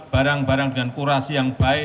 barang barang dengan kurasi yang baik